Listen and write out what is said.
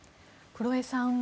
黒江さん